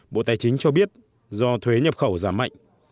bộ tài chính cho biết do thuế nhập khẩu giảm mạnh